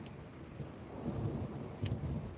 یا کور او تنخوا ورته برابره کړي.